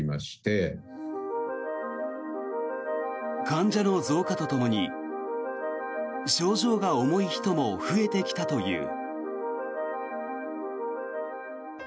患者の増加とともに症状が重い人も増えてきたという。